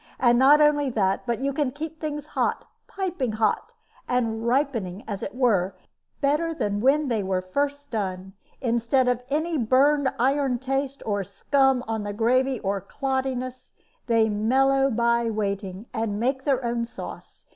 And not only that, but you can keep things hot, piping hot, and ripening, as it were, better than when they first were done. Instead of any burned iron taste, or scum on the gravy, or clottiness, they mellow by waiting, and make their own sauce.